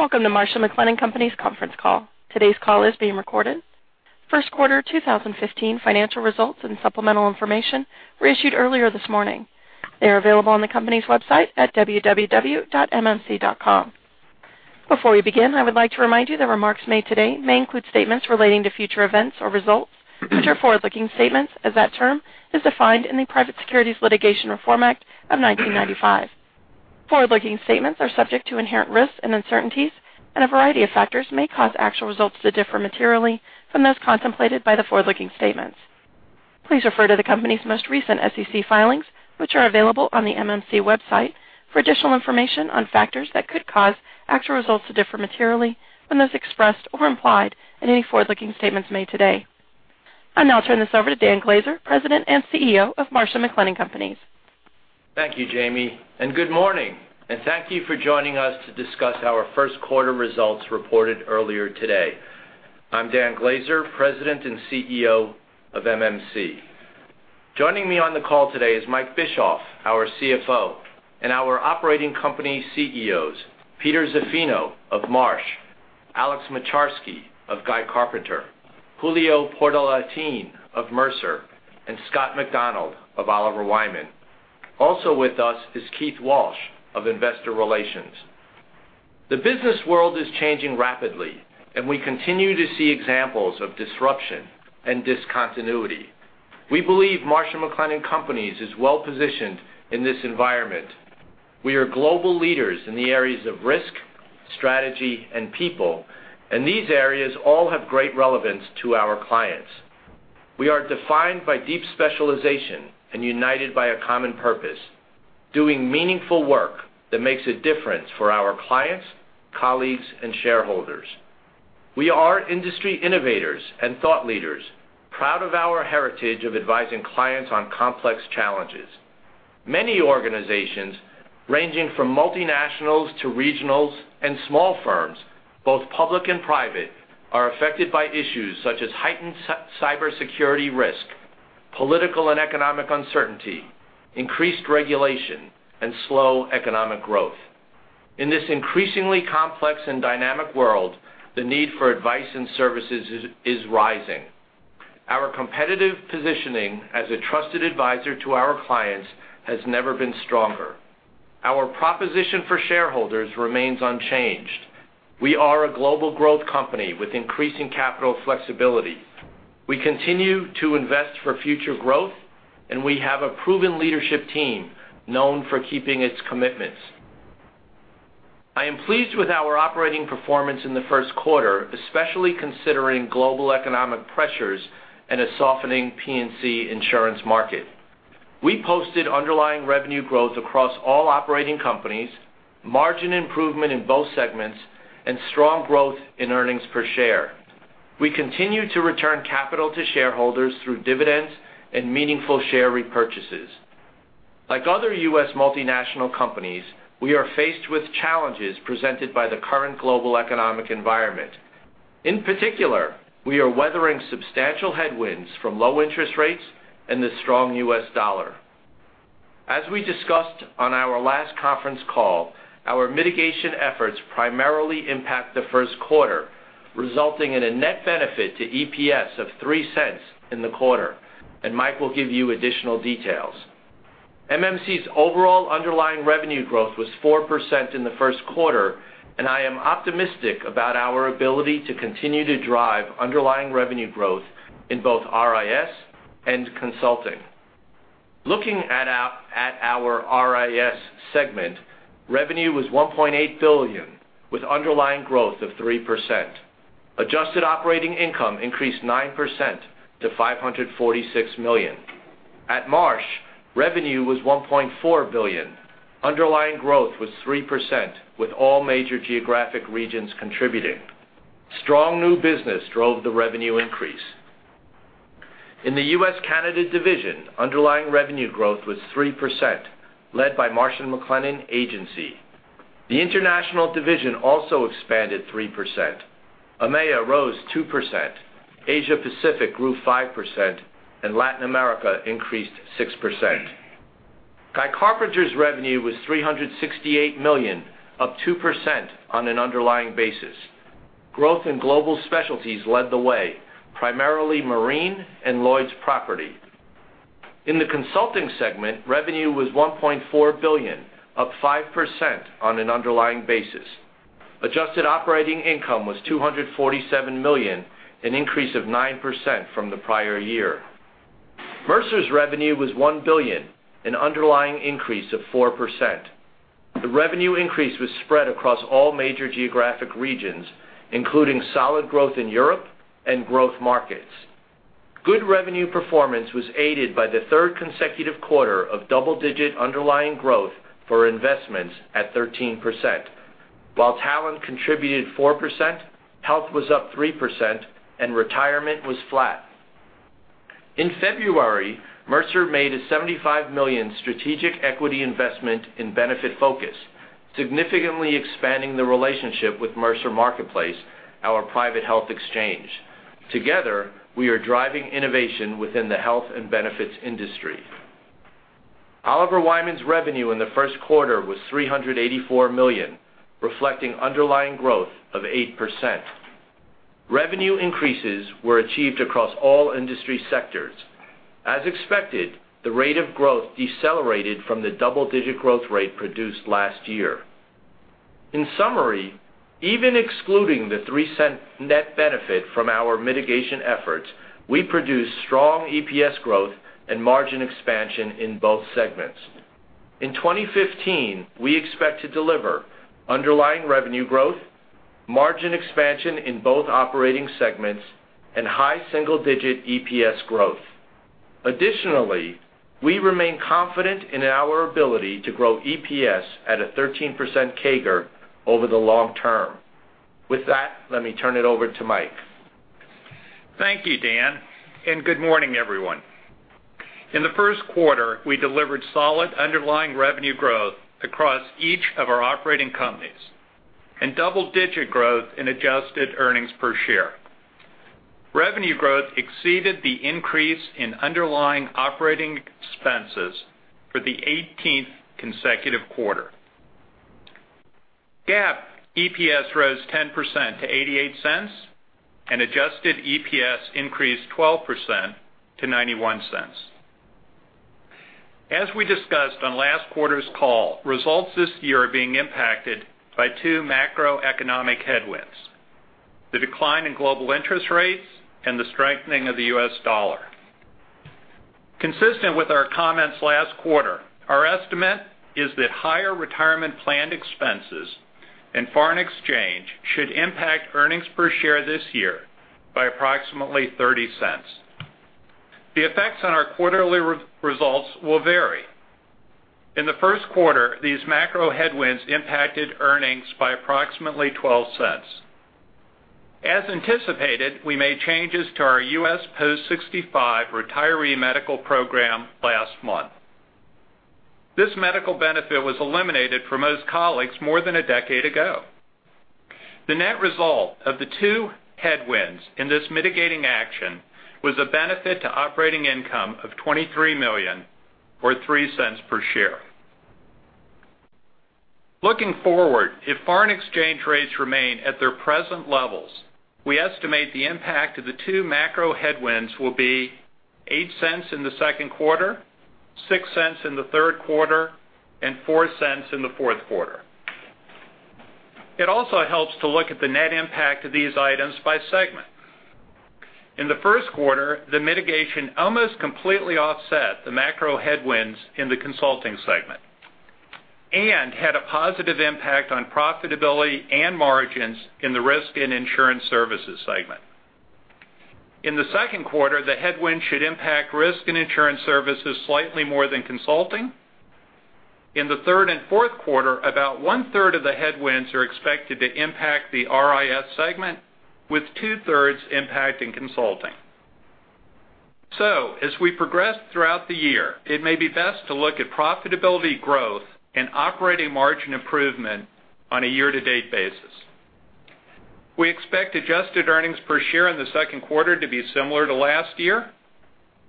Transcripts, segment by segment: Welcome to Marsh & McLennan Companies conference call. Today's call is being recorded. First quarter 2015 financial results and supplemental information were issued earlier this morning. They are available on the company's website at www.mmc.com. Before we begin, I would like to remind you that remarks made today may include statements relating to future events or results, which are forward-looking statements as that term is defined in the Private Securities Litigation Reform Act of 1995. Forward-looking statements are subject to inherent risks and uncertainties, and a variety of factors may cause actual results to differ materially from those contemplated by the forward-looking statements. Please refer to the company's most recent SEC filings, which are available on the MMC website for additional information on factors that could cause actual results to differ materially from those expressed or implied in any forward-looking statements made today. I'll now turn this over to Dan Glaser, President and CEO of Marsh & McLennan Companies. Thank you, Jamie, and good morning, and thank you for joining us to discuss our first quarter results reported earlier today. I'm Dan Glaser, President and CEO of MMC. Joining me on the call today is Mike Bischoff, our CFO, and our operating company CEOs, Peter Zaffino of Marsh, Alex Moczarski of Guy Carpenter, Julio Portalatin of Mercer, and Scott MacDonald of Oliver Wyman. Also with us is Keith Walsh of Investor Relations. The business world is changing rapidly, and we continue to see examples of disruption and discontinuity. We believe Marsh & McLennan Companies is well-positioned in this environment. We are global leaders in the areas of risk, strategy, and people, and these areas all have great relevance to our clients. We are defined by deep specialization and united by a common purpose, doing meaningful work that makes a difference for our clients, colleagues, and shareholders. We are industry innovators and thought leaders, proud of our heritage of advising clients on complex challenges. Many organizations, ranging from multinationals to regionals and small firms, both public and private, are affected by issues such as heightened cybersecurity risk, political and economic uncertainty, increased regulation, and slow economic growth. In this increasingly complex and dynamic world, the need for advice and services is rising. Our competitive positioning as a trusted advisor to our clients has never been stronger. Our proposition for shareholders remains unchanged. We are a global growth company with increasing capital flexibility. We continue to invest for future growth, and we have a proven leadership team known for keeping its commitments. I am pleased with our operating performance in the first quarter, especially considering global economic pressures and a softening P&C insurance market. We posted underlying revenue growth across all operating companies, margin improvement in both segments, and strong growth in earnings per share. We continue to return capital to shareholders through dividends and meaningful share repurchases. Like other U.S. multinational companies, we are faced with challenges presented by the current global economic environment. In particular, we are weathering substantial headwinds from low interest rates and the strong U.S. dollar. As we discussed on our last conference call, our mitigation efforts primarily impact the first quarter, resulting in a net benefit to EPS of $0.03 in the quarter. Mike will give you additional details. MMC's overall underlying revenue growth was 4% in the first quarter. I am optimistic about our ability to continue to drive underlying revenue growth in both RIS and consulting. Looking at our RIS segment, revenue was $1.8 billion, with underlying growth of 3%. Adjusted operating income increased 9% to $546 million. At Marsh, revenue was $1.4 billion. Underlying growth was 3%, with all major geographic regions contributing. Strong new business drove the revenue increase. In the U.S. Canada division, underlying revenue growth was 3%, led by Marsh & McLennan Agency. The international division also expanded 3%. EMEA rose 2%, Asia Pacific grew 5%. Latin America increased 6%. Guy Carpenter's revenue was $368 million, up 2% on an underlying basis. Growth in global specialties led the way, primarily marine and Lloyd's property. In the consulting segment, revenue was $1.4 billion, up 5% on an underlying basis. Adjusted operating income was $247 million, an increase of 9% from the prior year. Mercer's revenue was $1 billion, an underlying increase of 4%. The revenue increase was spread across all major geographic regions, including solid growth in Europe and growth markets. Good revenue performance was aided by the third consecutive quarter of double-digit underlying growth for investments at 13%. While talent contributed 4%, health was up 3%. Retirement was flat. In February, Mercer made a $75 million strategic equity investment in Benefitfocus, significantly expanding the relationship with Mercer Marketplace, our private health exchange. Together, we are driving innovation within the health and benefits industry. Oliver Wyman's revenue in the first quarter was $384 million, reflecting underlying growth of 8%. Revenue increases were achieved across all industry sectors. As expected, the rate of growth decelerated from the double-digit growth rate produced last year. In summary, even excluding the $0.03 net benefit from our mitigation efforts, we produced strong EPS growth and margin expansion in both segments. In 2015, we expect to deliver underlying revenue growth, margin expansion in both operating segments, and high single-digit EPS growth. Additionally, we remain confident in our ability to grow EPS at a 13% CAGR over the long term. With that, let me turn it over to Mike. Thank you, Dan, and good morning, everyone. In the first quarter, we delivered solid underlying revenue growth across each of our operating companies and double-digit growth in adjusted earnings per share. Revenue growth exceeded the increase in underlying operating expenses for the 18th consecutive quarter. GAAP EPS rose 10% to $0.88, and adjusted EPS increased 12% to $0.91. As we discussed on last quarter's call, results this year are being impacted by two macroeconomic headwinds, the decline in global interest rates and the strengthening of the US dollar. Consistent with our comments last quarter, our estimate is that higher retirement planned expenses and foreign exchange should impact earnings per share this year by approximately $0.30. The effects on our quarterly results will vary. In the first quarter, these macro headwinds impacted earnings by approximately $0.12. As anticipated, we made changes to our U.S. post-65 retiree medical program last month. This medical benefit was eliminated for most colleagues more than a decade ago. The net result of the two headwinds in this mitigating action was a benefit to operating income of $23 million or $0.03 per share. Looking forward, if foreign exchange rates remain at their present levels, we estimate the impact of the two macro headwinds will be $0.08 in the second quarter, $0.06 in the third quarter, and $0.04 in the fourth quarter. It also helps to look at the net impact of these items by segment. In the first quarter, the mitigation almost completely offset the macro headwinds in the consulting segment and had a positive impact on profitability and margins in the risk and insurance services segment. In the second quarter, the headwinds should impact risk and insurance services slightly more than consulting. In the third and fourth quarter, about one-third of the headwinds are expected to impact the RIS segment, with two-thirds impacting consulting. As we progress throughout the year, it may be best to look at profitability growth and operating margin improvement on a year-to-date basis. We expect adjusted earnings per share in the second quarter to be similar to last year.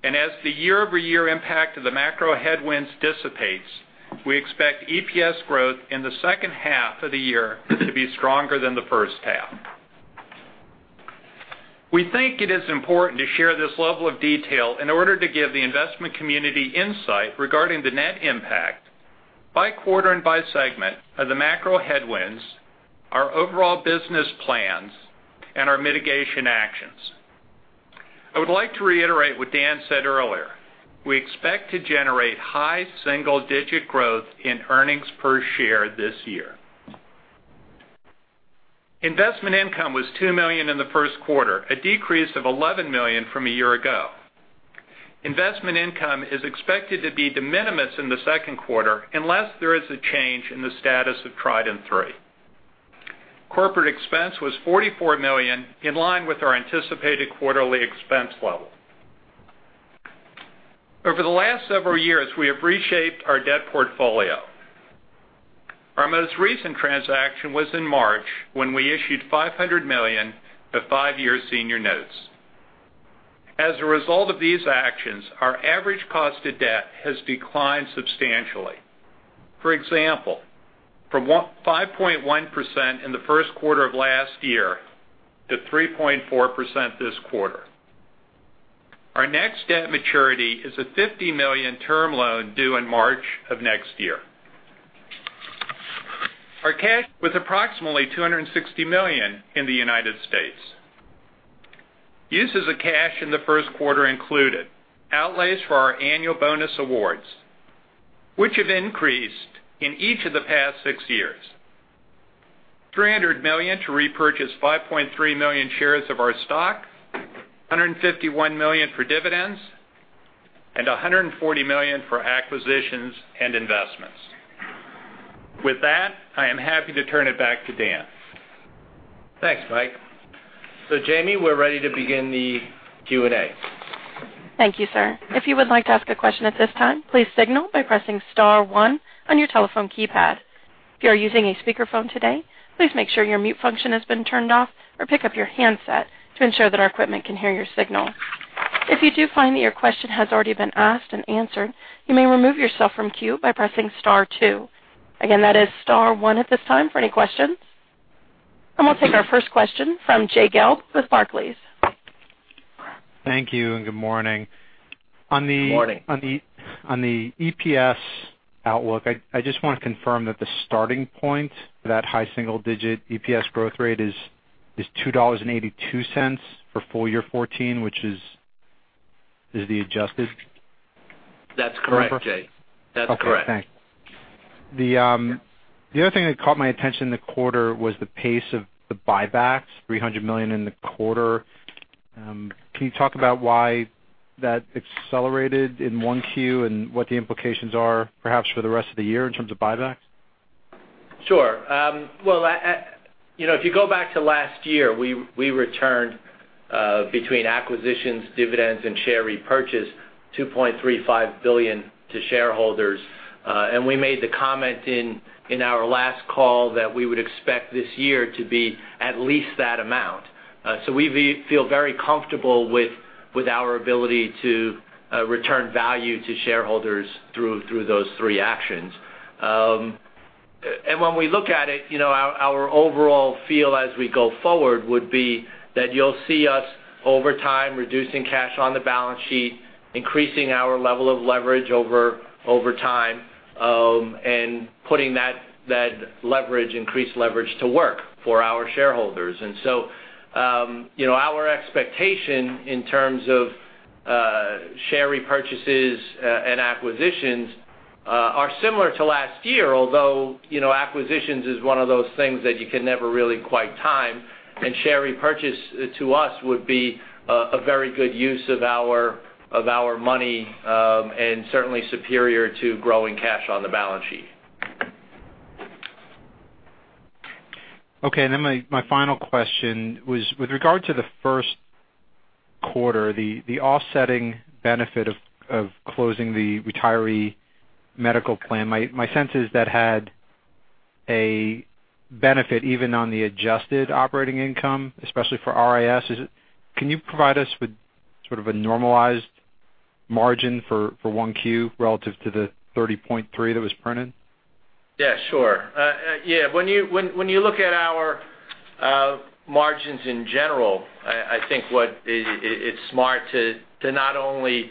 As the year-over-year impact of the macro headwinds dissipates, we expect EPS growth in the second half of the year to be stronger than the first half. We think it is important to share this level of detail in order to give the investment community insight regarding the net impact by quarter and by segment of the macro headwinds, our overall business plans, and our mitigation actions. I would like to reiterate what Dan said earlier. We expect to generate high single-digit growth in earnings per share this year. Investment income was $2 million in the first quarter, a decrease of $11 million from a year ago. Investment income is expected to be de minimis in the second quarter unless there is a change in the status of Trident III. Corporate expense was $44 million, in line with our anticipated quarterly expense level. Over the last several years, we have reshaped our debt portfolio. Our most recent transaction was in March when we issued $500 million of five-year senior notes. As a result of these actions, our average cost of debt has declined substantially. For example, from 5.1% in the first quarter of last year to 3.4% this quarter. Our next debt maturity is a $50 million term loan due in March of next year. Our cash was approximately $260 million in the United States. Uses of cash in the first quarter included outlays for our annual bonus awards, which have increased in each of the past six years. $300 million to repurchase 5.3 million shares of our stock, $151 million for dividends, and $140 million for acquisitions and investments. With that, I am happy to turn it back to Dan. Thanks, Mike. Jamie, we're ready to begin the Q&A. Thank you, sir. If you would like to ask a question at this time, please signal by pressing star one on your telephone keypad. If you are using a speakerphone today, please make sure your mute function has been turned off or pick up your handset to ensure that our equipment can hear your signal. If you do find that your question has already been asked and answered, you may remove yourself from queue by pressing star two. Again, that is star one at this time for any questions. We'll take our first question from Jay Gelb with Barclays. Thank you. Good morning. Good morning. On the EPS outlook, I just want to confirm that the starting point for that high single-digit EPS growth rate is $2.82 for full year 2014, which is the adjusted? That's correct, Jay. That's correct. Okay, thanks. The other thing that caught my attention in the quarter was the pace of the buybacks, $300 million in the quarter. Can you talk about why that accelerated in 1Q and what the implications are, perhaps for the rest of the year in terms of buybacks? Sure. If you go back to last year, we returned, between acquisitions, dividends, and share repurchase, $2.35 billion to shareholders. We made the comment in our last call that we would expect this year to be at least that amount. We feel very comfortable with our ability to return value to shareholders through those three actions. When we look at it, our overall feel as we go forward would be that you'll see us over time reducing cash on the balance sheet, increasing our level of leverage over time, and putting that increased leverage to work for our shareholders. Our expectation in terms of share repurchases and acquisitions are similar to last year, although, acquisitions is one of those things that you can never really quite time, and share repurchase, to us, would be a very good use of our money, and certainly superior to growing cash on the balance sheet. My final question was, with regard to the first quarter, the offsetting benefit of closing the retiree medical plan, my sense is that had a benefit even on the adjusted operating income, especially for RIS. Can you provide us with sort of a normalized margin for 1Q relative to the 30.3% that was printed? Yeah, sure. When you look at our margins in general, I think it's smart to not only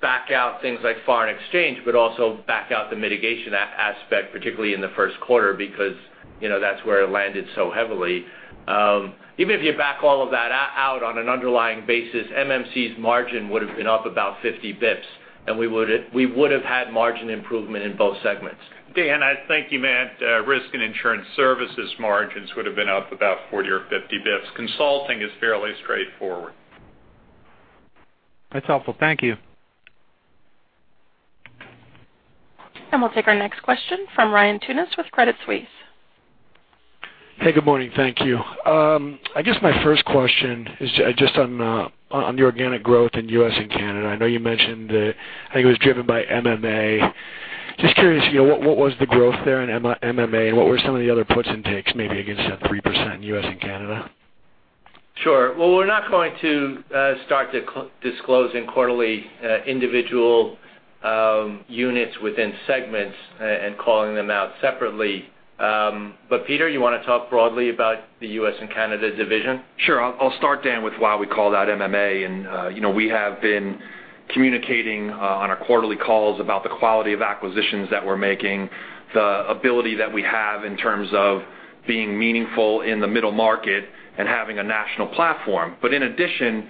back out things like foreign exchange, but also back out the mitigation aspect, particularly in the first quarter, because that's where it landed so heavily. Even if you back all of that out on an underlying basis, MMC's margin would've been up about 50 basis points, and we would've had margin improvement in both segments. Dan, I think you meant Risk and Insurance Services margins would've been up about 40 or 50 basis points. Consulting is fairly straightforward. That's helpful. Thank you. We'll take our next question from Ryan Tunis with Credit Suisse. Hey, good morning. Thank you. I guess my first question is just on the organic growth in U.S. and Canada. I know you mentioned that I think it was driven by MMA. Just curious, what was the growth there in MMA, and what were some of the other puts and takes, maybe against that three percent in U.S. and Canada? Sure. Well, we're not going to start disclosing quarterly individual units within segments and calling them out separately. Peter, you want to talk broadly about the U.S. and Canada division? Sure. I'll start, Dan, with why we call that MMA. We have been communicating on our quarterly calls about the quality of acquisitions that we're making, the ability that we have in terms of being meaningful in the middle market and having a national platform. In addition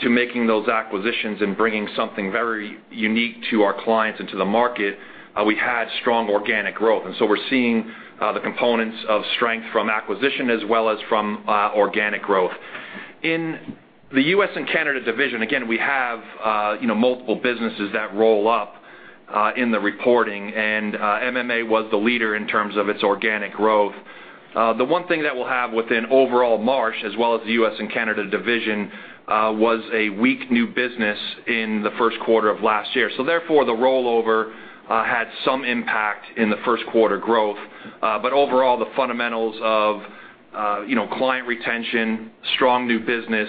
to making those acquisitions and bringing something very unique to our clients and to the market, we had strong organic growth. We're seeing the components of strength from acquisition as well as from organic growth. In the U.S. and Canada division, again, we have multiple businesses that roll up in the reporting, and MMA was the leader in terms of its organic growth. The one thing that we'll have within overall Marsh, as well as the U.S. and Canada division, was a weak new business in the first quarter of last year. Therefore, the rollover had some impact in the first quarter growth. Overall, the fundamentals of client retention, strong new business,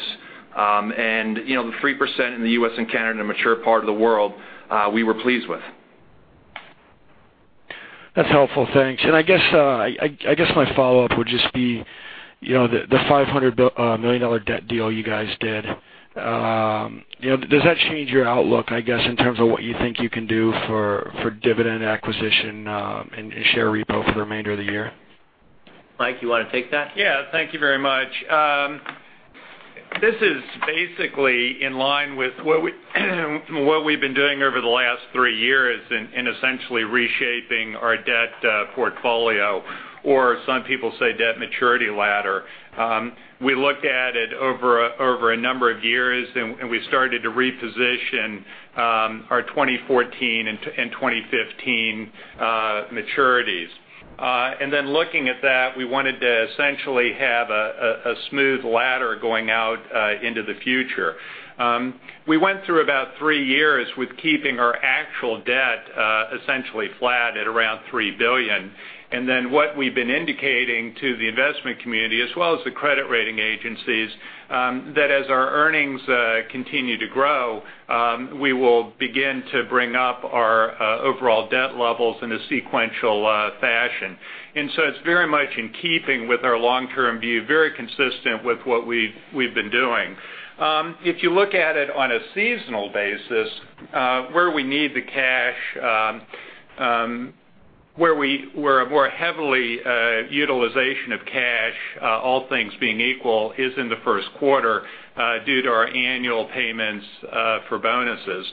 and the 3% in the U.S. and Canada, a mature part of the world, we were pleased with. That's helpful. Thanks. I guess my follow-up would just be the $500 million debt deal you guys did. Does that change your outlook, I guess, in terms of what you think you can do for dividend acquisition and share repo for the remainder of the year? Mike, you want to take that? Thank you very much. This is basically in line with what we've been doing over the last three years in essentially reshaping our debt portfolio, or some people say debt maturity ladder. We look at it over a number of years, we started to reposition our 2014 and 2015 maturities. Looking at that, we wanted to essentially have a smooth ladder going out into the future. We went through about three years with keeping our actual debt essentially flat at around $3 billion. What we've been indicating to the investment community, as well as the credit rating agencies, that as our earnings continue to grow, we will begin to bring up our overall debt levels in a sequential fashion. It's very much in keeping with our long-term view, very consistent with what we've been doing. If you look at it on a seasonal basis, where we need the cash where a more heavily utilization of cash, all things being equal, is in the first quarter due to our annual payments for bonuses.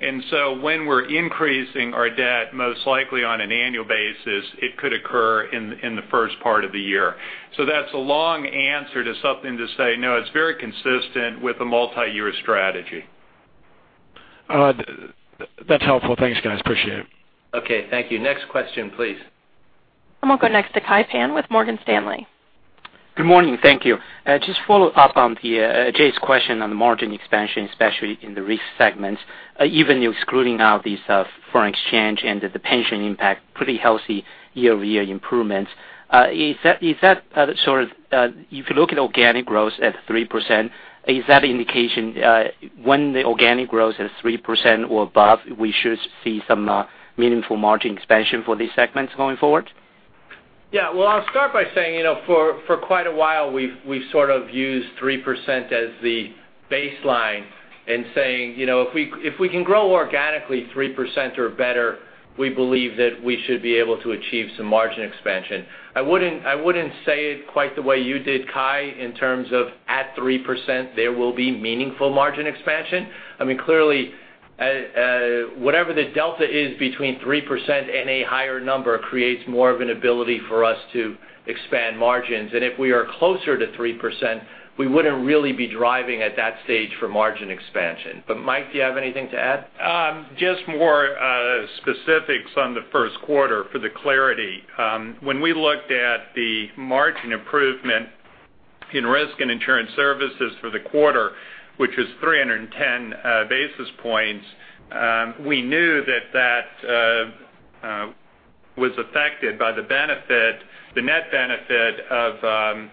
When we're increasing our debt, most likely on an annual basis, it could occur in the first part of the year. That's a long answer to something to say, no, it's very consistent with a multi-year strategy. That's helpful. Thanks, guys. Appreciate it. Okay, thank you. Next question, please. We'll go next to Kai Pan with Morgan Stanley. Good morning. Thank you. Just follow up on Jay's question on the margin expansion, especially in the risk segment. Even excluding out these foreign exchange and the pension impact, pretty healthy year-over-year improvements. If you look at organic growth at 3%, is that indication when the organic growth is 3% or above, we should see some meaningful margin expansion for these segments going forward? Yeah. Well, I'll start by saying, for quite a while, we've sort of used 3% as the baseline and saying, if we can grow organically 3% or better, we believe that we should be able to achieve some margin expansion. I wouldn't say it quite the way you did, Kai, in terms of at 3%, there will be meaningful margin expansion. Mike, do you have anything to add? Just more specifics on the first quarter for the clarity. When we looked at the margin improvement in Risk and Insurance Services for the quarter, which was 310 basis points, we knew that was affected by the net benefit of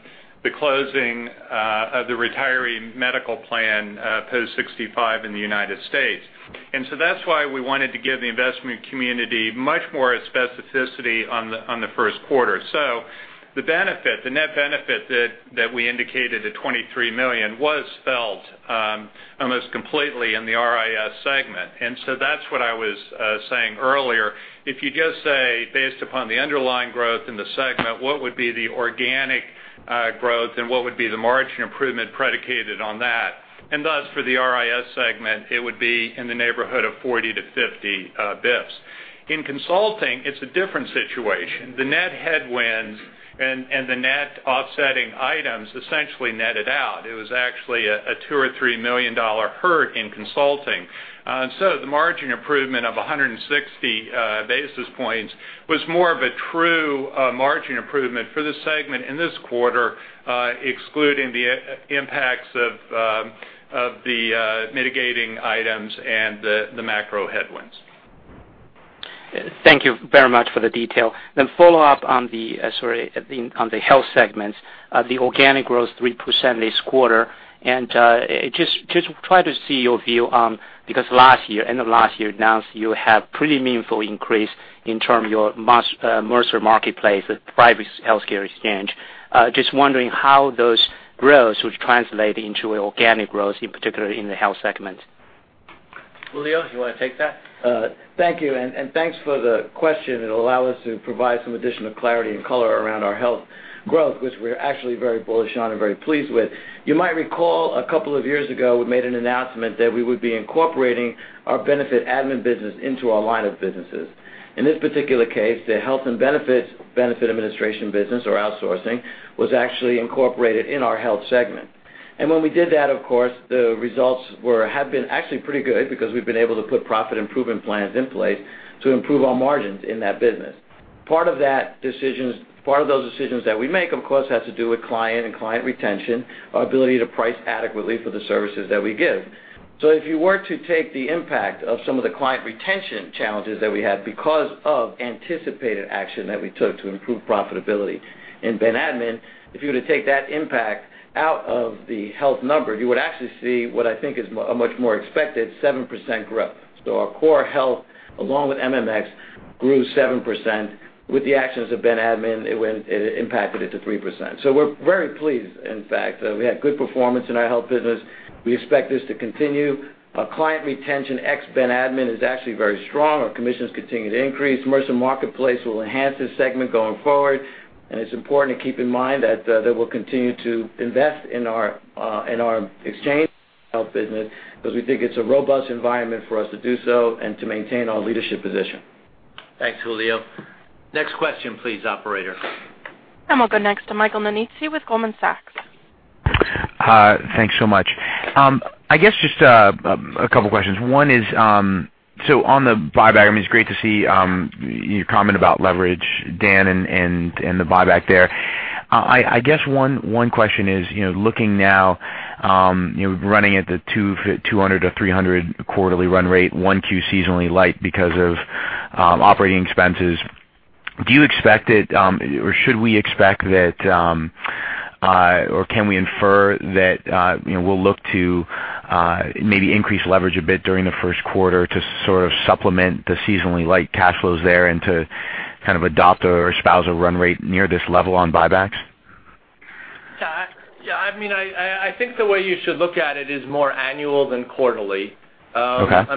the closing of the retiree medical plan post 65 in the U.S. That's why we wanted to give the investment community much more specificity on the first quarter. The net benefit that we indicated at $23 million was felt almost completely in the RIS segment. That's what I was saying earlier. If you just say, based upon the underlying growth in the segment, what would be the organic growth and what would be the margin improvement predicated on that? Thus, for the RIS segment, it would be in the neighborhood of 40 to 50 basis points. In consulting, it's a different situation. The net headwinds and the net offsetting items essentially netted out. It was actually a $2 or $3 million hurt in consulting. The margin improvement of 160 basis points was more of a true margin improvement for the segment in this quarter excluding the impacts of the mitigating items and the macro headwinds. Thank you very much for the detail. Follow up on the health segments, the organic growth 3% this quarter. Just try to see your view because end of last year announced you have pretty meaningful increase in term your Mercer Marketplace, the private healthcare exchange. Just wondering how those growths would translate into organic growth, in particular in the health segment. Julio, do you want to take that? Thank you, and thanks for the question. It'll allow us to provide some additional clarity and color around our health growth, which we're actually very bullish on and very pleased with. You might recall a couple of years ago, we made an announcement that we would be incorporating our benefit admin business into our line of businesses. In this particular case, the health and benefits benefit administration business or outsourcing was actually incorporated in our health segment. When we did that, of course, the results have been actually pretty good because we've been able to put profit improvement plans in place to improve our margins in that business. Part of those decisions that we make, of course, has to do with client and client retention, our ability to price adequately for the services that we give. If you were to take the impact of some of the client retention challenges that we had because of anticipated action that we took to improve profitability in benefit admin, if you were to take that impact out of the health number, you would actually see what I think is a much more expected 7% growth. Our core health, along with MMX, grew 7%. With the actions of benefit admin, it impacted it to 3%. We're very pleased, in fact. We had good performance in our health business. We expect this to continue. Our client retention ex benefit admin is actually very strong. Our commissions continue to increase. Mercer Marketplace will enhance this segment going forward. It's important to keep in mind that we'll continue to invest in our exchange health business because we think it's a robust environment for us to do so and to maintain our leadership position. Thanks, Julio. Next question, please, operator. We'll go next to Michael Nannizzi with Goldman Sachs. Thanks so much. I guess just a couple of questions. One is, on the buyback, it's great to see your comment about leverage, Dan, and the buyback there. I guess one question is, looking now, running at the $200-$300 quarterly run rate, 1Q seasonally light because of operating expenses, do you expect it, or should we expect it, or can we infer that we'll look to maybe increase leverage a bit during the first quarter to sort of supplement the seasonally light cash flows there and to kind of adopt or espouse a run rate near this level on buybacks? Yeah. I think the way you should look at it is more annual than quarterly. Okay.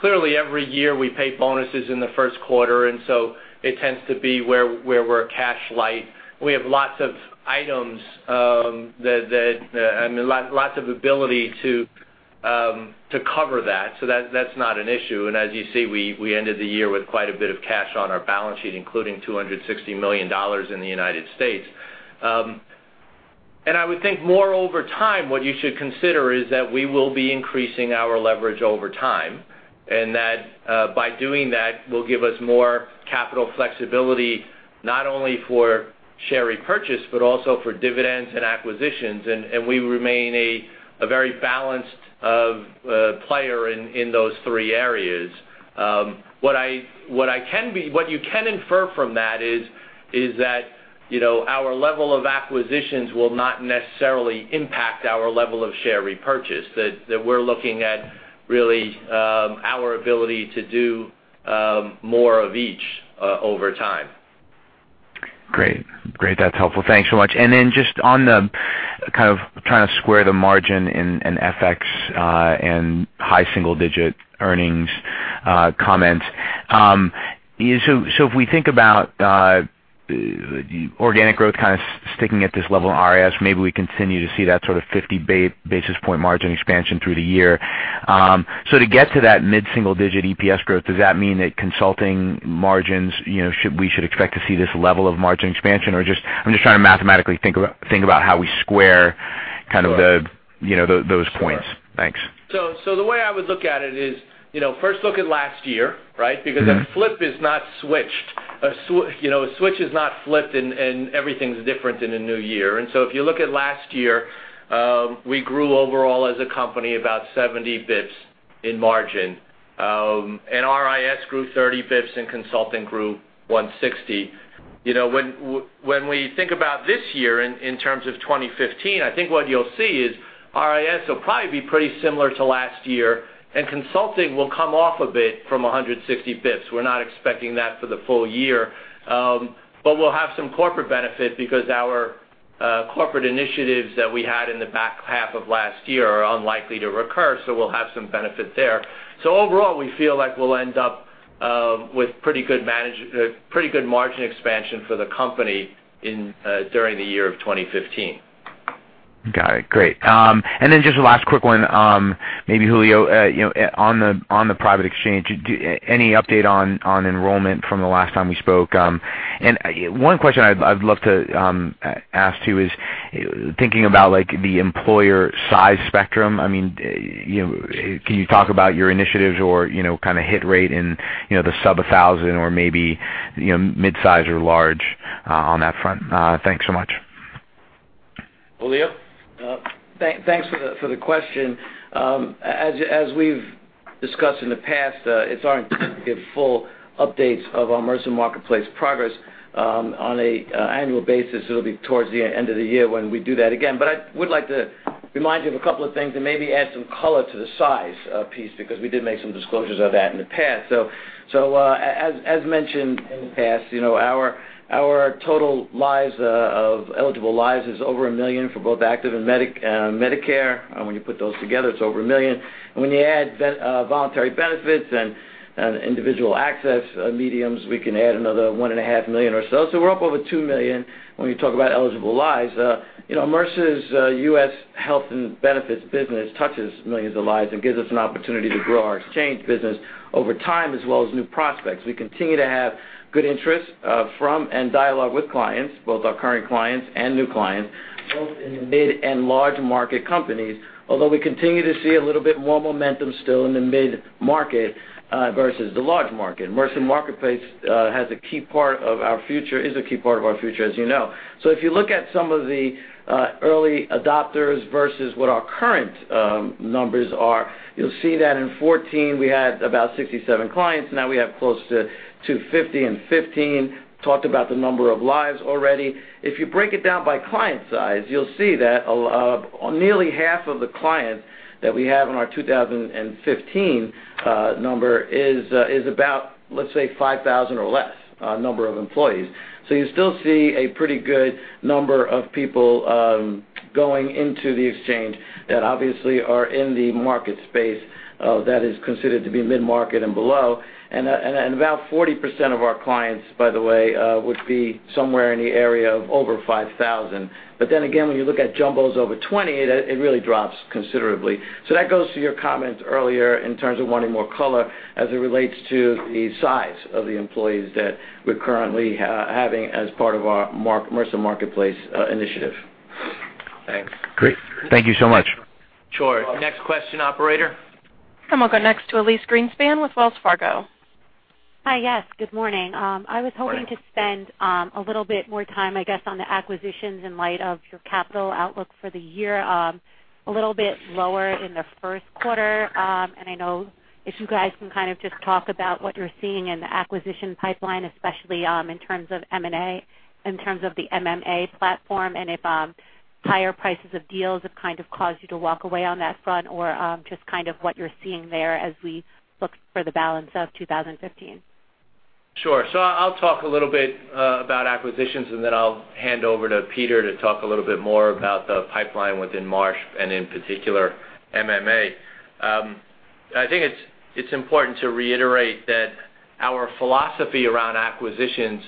Clearly, every year we pay bonuses in the first quarter, and so it tends to be where we're cash light. We have lots of items, lots of ability to cover that, so that's not an issue. As you see, we ended the year with quite a bit of cash on our balance sheet, including $260 million in the U.S. I would think more over time, what you should consider is that we will be increasing our leverage over time, and that by doing that, will give us more capital flexibility, not only for share repurchase, but also for dividends and acquisitions, and we remain a very balanced player in those three areas. What you can infer from that is that our level of acquisitions will not necessarily impact our level of share repurchase, that we're looking at really our ability to do more of each over time. Great. That's helpful. Thanks so much. Just on the kind of trying to square the margin in FX and high single-digit earnings comments. If we think about organic growth kind of sticking at this level in RIS, maybe we continue to see that sort of 50 basis point margin expansion through the year. To get to that mid-single digit EPS growth, does that mean that consulting margins, we should expect to see this level of margin expansion? I'm just trying to mathematically think about how we square kind of those points. Sure. Thanks. The way I would look at it is, first look at last year, right? Because a flip is not switched. A switch is not flipped and everything's different in a new year. If you look at last year, we grew overall as a company about 70 basis points in margin, RIS grew 30 basis points and consulting grew 160 basis points. When we think about this year in terms of 2015, I think what you'll see is RIS will probably be pretty similar to last year, and consulting will come off a bit from 160 basis points. We're not expecting that for the full year. We'll have some corporate benefit because our corporate initiatives that we had in the back half of last year are unlikely to recur, so we'll have some benefit there. Overall, we feel like we'll end up with pretty good margin expansion for the company during the year of 2015. Got it. Great. Just a last quick one, maybe Julio, on the private exchange, any update on enrollment from the last time we spoke? One question I'd love to ask, too, is thinking about the employer size spectrum. Can you talk about your initiatives or kind of hit rate in the sub-1,000 or maybe midsize or large on that front? Thanks so much. Julio? Thanks for the question. As we've discussed in the past, it's our intent to give full updates of our Mercer Marketplace progress on an annual basis. It'll be towards the end of the year when we do that again. I would like to remind you of a couple of things and maybe add some color to the size piece, because we did make some disclosures of that in the past. As mentioned in the past, our total eligible lives is over 1 million for both active and Medicare. When you put those together, it's over 1 million. When you add voluntary benefits and individual access mediums, we can add another 1.5 million or so. We're up over 2 million when we talk about eligible lives. Mercer's U.S. health and benefits business touches millions of lives and gives us an opportunity to grow our exchange business over time as well as new prospects. We continue to have good interest from and dialogue with clients, both our current clients and new clients, both in the mid and large market companies, although we continue to see a little bit more momentum still in the mid-market versus the large market. Mercer Marketplace is a key part of our future, as you know. If you look at some of the early adopters versus what our current numbers are, you'll see that in 2014, we had about 67 clients. Now we have close to 250 in 2015. Talked about the number of lives already. If you break it down by client size, you'll see that nearly half of the clients that we have on our 2015 number is about, let's say, 5,000 or less number of employees. You still see a pretty good number of people going into the exchange that obviously are in the market space that is considered to be mid-market and below. About 40% of our clients, by the way, would be somewhere in the area of over 5,000. When you look at jumbos over 20, it really drops considerably. That goes to your comment earlier in terms of wanting more color as it relates to the size of the employees that we're currently having as part of our Mercer Marketplace initiative. Thanks. Great. Thank you so much. Sure. Next question, operator. We'll go next to Elyse Greenspan with Wells Fargo. Hi, yes, good morning. Hi. I was hoping to spend a little bit more time, I guess, on the acquisitions in light of your capital outlook for the year, a little bit lower in the first quarter. I know if you guys can kind of just talk about what you're seeing in the acquisition pipeline, especially in terms of the MMA platform, and if higher prices of deals have kind of caused you to walk away on that front or just kind of what you're seeing there as we look for the balance of 2015. Sure. I'll talk a little bit about acquisitions, and then I'll hand over to Peter to talk a little bit more about the pipeline within Marsh, and in particular, MMA. I think it's important to reiterate that our philosophy around acquisitions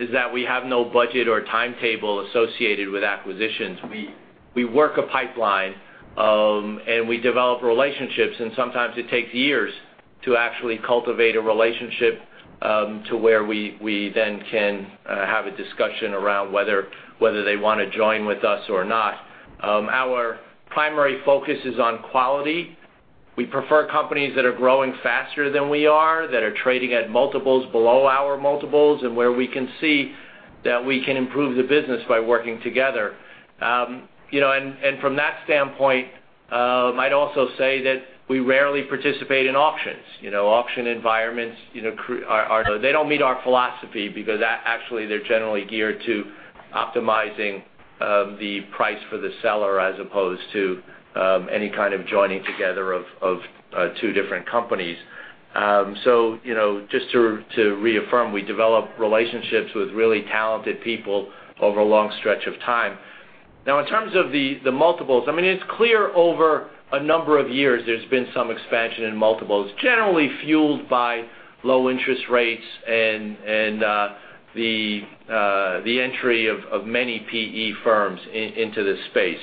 is that we have no budget or timetable associated with acquisitions. We work a pipeline, and we develop relationships, and sometimes it takes years to actually cultivate a relationship, to where we then can have a discussion around whether they want to join with us or not. Our primary focus is on quality. We prefer companies that are growing faster than we are, that are trading at multiples below our multiples, and where we can see that we can improve the business by working together. From that standpoint, might also say that we rarely participate in auctions. Auction environments, they don't meet our philosophy because actually, they're generally geared to optimizing the price for the seller as opposed to any kind of joining together of two different companies. Just to reaffirm, we develop relationships with really talented people over a long stretch of time. Now, in terms of the multiples, it's clear over a number of years there's been some expansion in multiples, generally fueled by low interest rates and the entry of many PE firms into this space.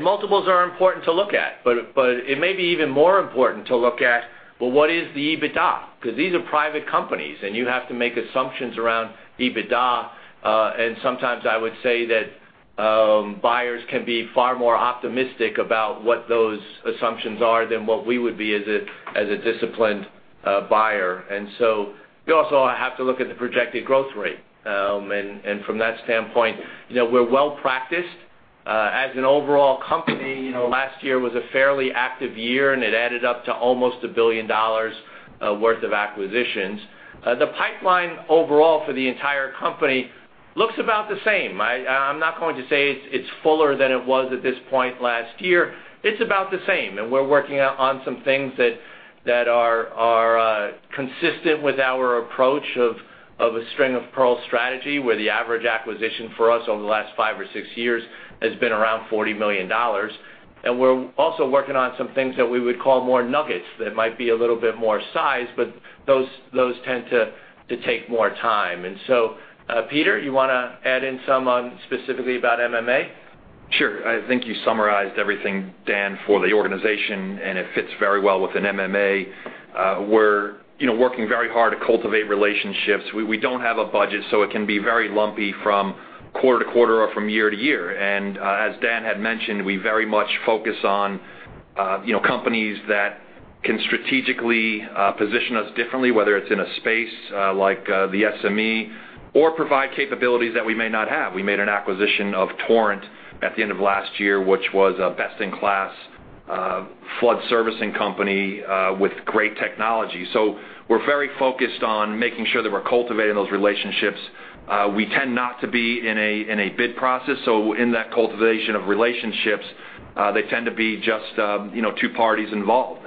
Multiples are important to look at, but it may be even more important to look at, well, what is the EBITDA? Because these are private companies, and you have to make assumptions around EBITDA. Sometimes I would say that buyers can be far more optimistic about what those assumptions are than what we would be as a disciplined buyer. You also have to look at the projected growth rate. From that standpoint, we're well-practiced. As an overall company, last year was a fairly active year, and it added up to almost $1 billion worth of acquisitions. The pipeline overall for the entire company looks about the same. I'm not going to say it's fuller than it was at this point last year. It's about the same. We're working on some things that are consistent with our approach of a string-of-pearls strategy, where the average acquisition for us over the last five or six years has been around $40 million. We're also working on some things that we would call more nuggets that might be a little bit more sized, but those tend to take more time. Peter, you want to add in some specifically about MMA? Sure. I think you summarized everything, Dan, for the organization, and it fits very well within MMA. We're working very hard to cultivate relationships. We don't have a budget, so it can be very lumpy from quarter to quarter or from year to year. As Dan had mentioned, we very much focus on companies that can strategically position us differently, whether it's in a space like the SME or provide capabilities that we may not have. We made an acquisition of Torrent at the end of last year, which was a best-in-class flood servicing company with great technology. We're very focused on making sure that we're cultivating those relationships. We tend not to be in a bid process. In that cultivation of relationships, they tend to be just two parties involved.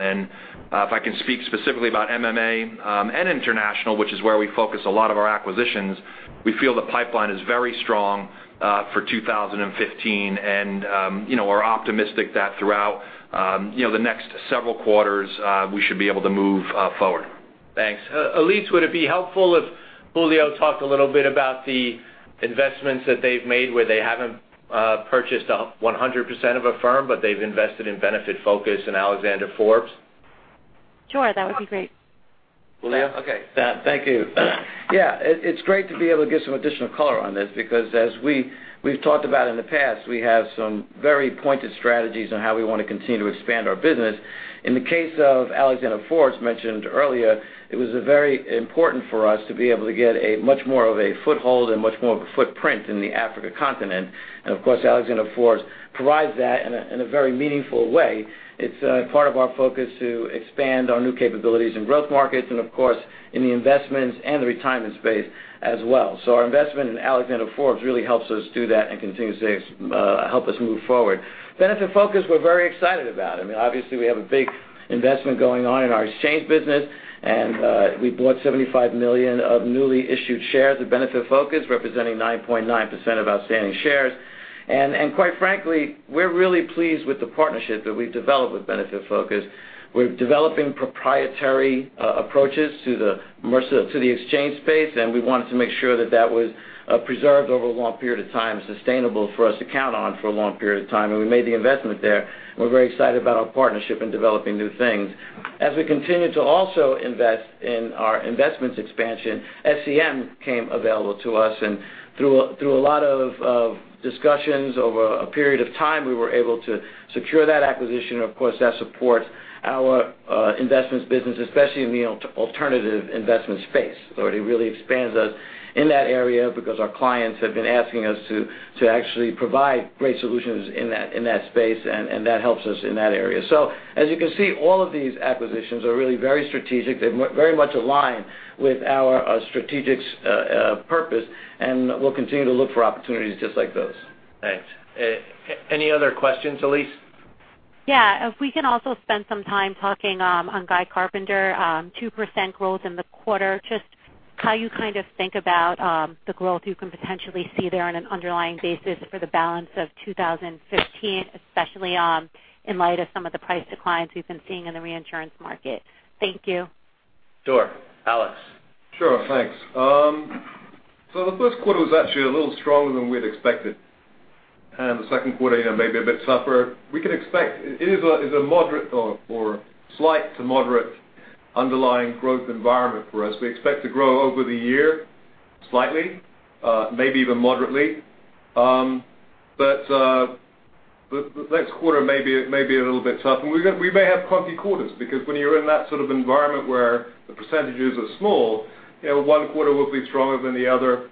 If I can speak specifically about MMA and international, which is where we focus a lot of our acquisitions, we feel the pipeline is very strong for 2015 and are optimistic that throughout the next several quarters, we should be able to move forward. Thanks. Elyse, would it be helpful if Julio talked a little bit about the investments that they've made where they haven't purchased 100% of a firm, but they've invested in Benefitfocus and Alexander Forbes? Sure, that would be great. Julio? Okay. Thank you. It's great to be able to give some additional color on this because as we've talked about in the past, we have some very pointed strategies on how we want to continue to expand our business. In the case of Alexander Forbes mentioned earlier, it was very important for us to be able to get much more of a foothold and much more of a footprint in the Africa continent. Of course, Alexander Forbes provides that in a very meaningful way. It's part of our focus to expand our new capabilities in growth markets and of course, in the investments and the retirement space as well. Our investment in Alexander Forbes really helps us do that and continues to help us move forward. Benefitfocus, we're very excited about. I mean, obviously we have a big investment going on in our exchange business. We bought $75 million of newly issued shares of Benefitfocus, representing 9.9% of outstanding shares. Quite frankly, we're really pleased with the partnership that we've developed with Benefitfocus. We're developing proprietary approaches to the exchange space, and we wanted to make sure that was preserved over a long period of time, sustainable for us to count on for a long period of time, and we made the investment there. We're very excited about our partnership in developing new things. As we continue to also invest in our investments expansion, SCM became available to us, and through a lot of discussions over a period of time, we were able to secure that acquisition. Of course, that supports our investments business, especially in the alternative investment space. It really expands us in that area because our clients have been asking us to actually provide great solutions in that space, and that helps us in that area. As you can see, all of these acquisitions are really very strategic. They very much align with our strategic purpose, and we'll continue to look for opportunities just like those. Thanks. Any other questions, Elyse? Yeah. If we can also spend some time talking on Guy Carpenter, 2% growth in the quarter. Just how you think about the growth you can potentially see there on an underlying basis for the balance of 2015, especially in light of some of the price declines we've been seeing in the reinsurance market. Thank you. Sure. Alex? Sure. Thanks. The first quarter was actually a little stronger than we'd expected, the second quarter may be a bit tougher. It is a moderate or slight to moderate underlying growth environment for us. We expect to grow over the year slightly, maybe even moderately. The next quarter may be a little bit tougher. We may have clunky quarters, because when you're in that sort of environment where the percentages are small, one quarter will be stronger than the other.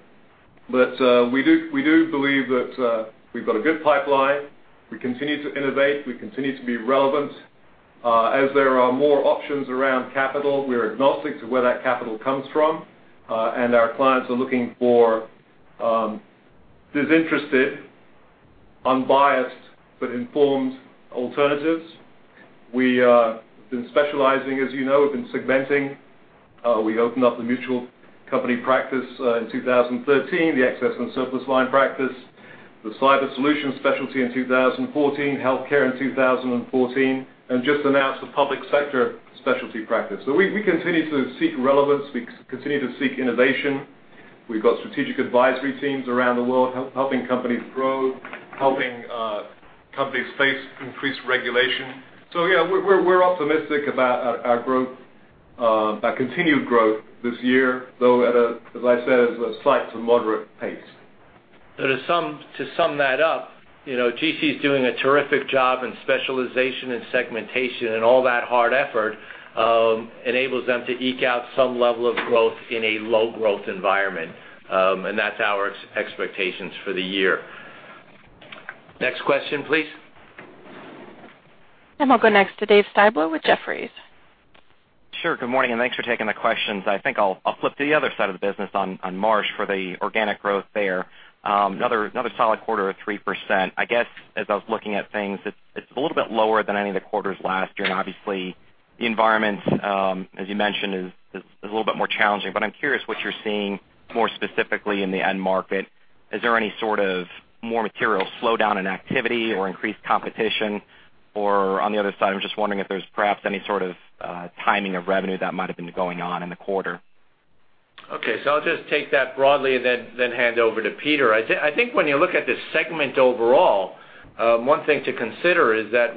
We do believe that we've got a good pipeline. We continue to innovate. We continue to be relevant. As there are more options around capital, we're agnostic to where that capital comes from, and our clients are looking for disinterested, unbiased, but informed alternatives. We have been specializing, as you know, we've been segmenting. We opened up the mutual company practice, in 2013, the excess and surplus line practice, the cyber solutions specialty in 2014, healthcare in 2014, and just announced the public sector specialty practice. We continue to seek relevance, we continue to seek innovation. We've got strategic advisory teams around the world helping companies grow, helping companies face increased regulation. Yeah, we're optimistic about our continued growth this year, though, as I said, at a slight to moderate pace. To sum that up, GC's doing a terrific job in specialization and segmentation, all that hard effort enables them to eke out some level of growth in a low growth environment, that's our expectations for the year. Next question, please. We'll go next to Dave Styblo with Jefferies. Sure. Good morning, and thanks for taking the questions. I think I'll flip to the other side of the business on Marsh for the organic growth there. Another solid quarter of 3%. I guess as I was looking at things, it's a little bit lower than any of the quarters last year, and obviously the environment, as you mentioned, is a little bit more challenging. I'm curious what you're seeing more specifically in the end market. Is there any sort of more material slowdown in activity or increased competition? On the other side, I'm just wondering if there's perhaps any sort of timing of revenue that might have been going on in the quarter. Okay. I'll just take that broadly and then hand over to Peter. I think when you look at this segment overall, one thing to consider is that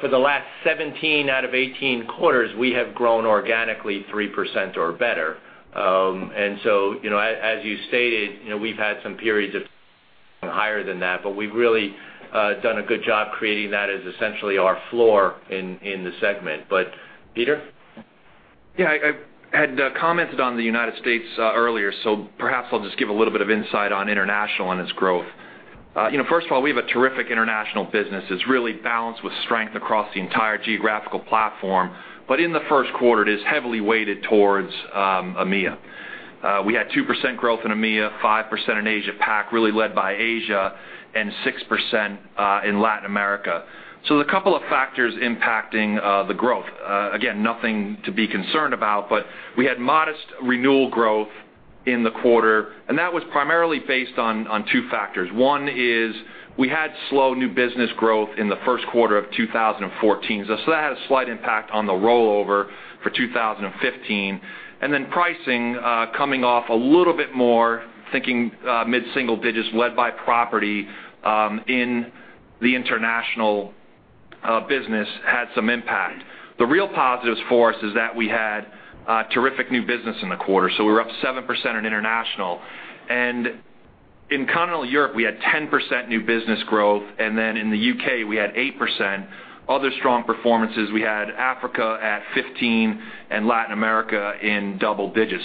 for the last 17 out of 18 quarters, we have grown organically 3% or better. As you stated, we've had some periods of higher than that, but we've really done a good job creating that as essentially our floor in the segment. Peter? Yeah, I had commented on the United States earlier, perhaps I'll just give a little bit of insight on international and its growth. First of all, we have a terrific international business. It's really balanced with strength across the entire geographical platform. In the first quarter, it is heavily weighted towards EMEA. We had 2% growth in EMEA, 5% in Asia PAC, really led by Asia, and 6% in Latin America. There's a couple of factors impacting the growth. Again, nothing to be concerned about, but we had modest renewal growth in the quarter, and that was primarily based on two factors. One is we had slow new business growth in the first quarter of 2014. That had a slight impact on the rollover for 2015. Pricing coming off a little bit more, thinking mid-single digits led by property in the international business had some impact. The real positives for us is that we had terrific new business in the quarter, so we were up 7% in international. In continental Europe, we had 10% new business growth, then in the U.K., we had 8%. Other strong performances, we had Africa at 15% and Latin America in double digits.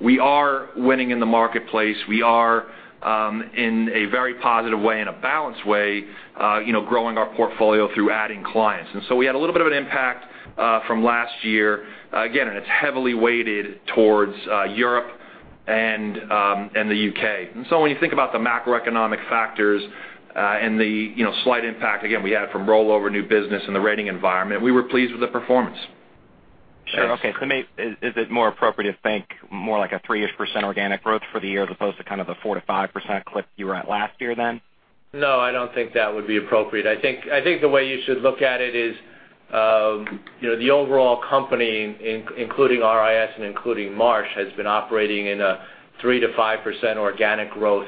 We are winning in the marketplace. We are in a very positive way and a balanced way growing our portfolio through adding clients. We had a little bit of an impact from last year. Again, it's heavily weighted towards Europe and the U.K. When you think about the macroeconomic factors and the slight impact, again, we had from rollover new business in the rating environment, we were pleased with the performance. Sure. Okay. To me, is it more appropriate to think more like a 3-ish% organic growth for the year as opposed to kind of the 4%-5% clip you were at last year then? No, I don't think that would be appropriate. I think the way you should look at it is, the overall company, including RIS and including Marsh, has been operating in a 3%-5% organic growth